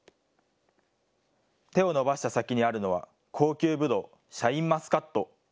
手を伸ばした先にあるのは、高級ぶどう、シャインマスカット。